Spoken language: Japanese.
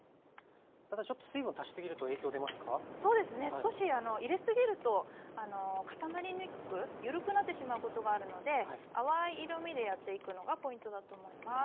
少し入れすぎると固まりにくく緩くなってしまうことがあるので淡い色みでやっていくのがポイントだと思います。